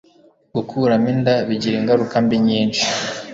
Gukuramo inda bigira ingaruka mbi nyinshi